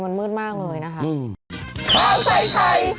มันมืดมากเลยนะคะ